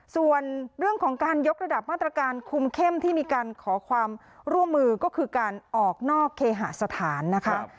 ส่วนเรื่องของการยกระดับมาตรการคุมเข้มที่มีการขอความร่วมมือก็คือการออกนอกเคหาสถานนะคะ